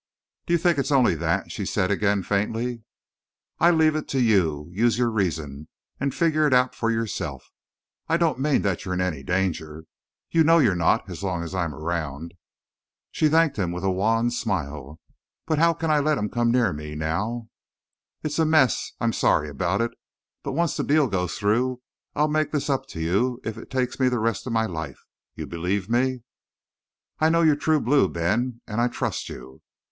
"Do you think it's only that?" she said again, faintly. "I leave it to you. Use your reason, and figure it out for yourself. I don't mean that you're in any danger. You know you're not as long as I'm around!" She thanked him with a wan smile. "But how can I let him come near me now?" "It's a mess. I'm sorry about it. But once the deal goes through I'll make this up to you if it takes me the rest of my life. You believe me?" "I know you're true blue, Ben! And I trust you."